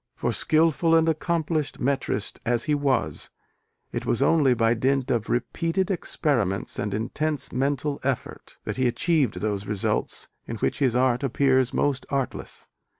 For, skilful and accomplished metrist as he was, it was only by dint of "repeated experiments and intense mental effort" that he achieved those results in which his art appears most artless.